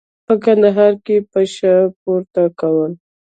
په کندهار کې پشه پورته کول.